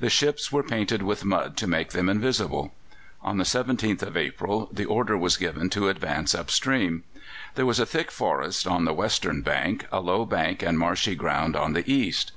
The ships were painted with mud to make them invisible. On the 17th of April the order was given to advance up stream. There was a thick forest on the western bank, a low bank and marshy ground on the east.